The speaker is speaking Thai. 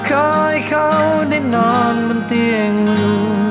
ขอให้เขาได้นอนบนเตียง